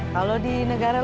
kalau di negara negara lain